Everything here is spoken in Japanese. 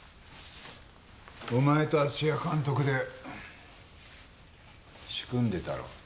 お前と芦屋監督で仕組んでたろ？